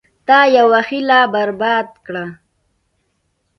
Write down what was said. تا یوه هیله برباد کړه.